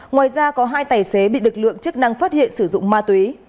ngoài ra có hai tài xế bị lực lượng chức năng phát hiện sử dụng ma túy